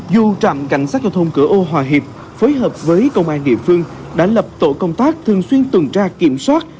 dù trạm cảnh sát giao thông cửa ô hòa hiệp phối hợp với công an địa phương đã lập tổ công tác thường xuyên tuần tra kiểm soát